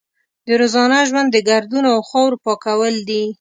د روزانه ژوند د ګردونو او خاورو پاکول دي.